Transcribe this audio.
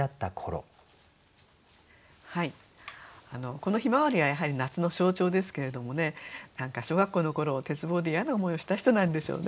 この「向日葵」はやはり夏の象徴ですけれどもね小学校の頃鉄棒で嫌な思いをした人なんでしょうね。